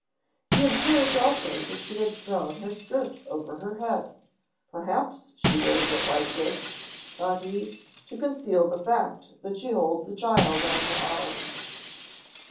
He observed also that she had thrown her skirt over her head. "Perhaps she wears it like this," thought he, "to conceal the fact that she holds a child on her arm."